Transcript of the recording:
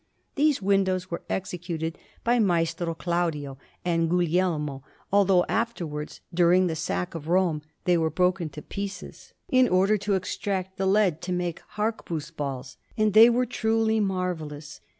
These windows were executed by Maestro Claudio and Guglielmo, although afterwards, during the sack of Rome, they were broken to pieces, in order to extract the lead to make harquebus balls; and they were truly marvellous.